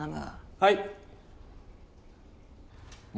はい。